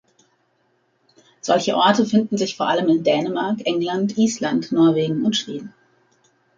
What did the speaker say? Solche Orte finden sich vor allem in Dänemark, England, Island, Norwegen und Schweden.